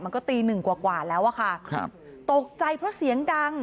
มันก็ตี๑กว่าแล้วอะค่ะตกใจเพราะเสียงดัง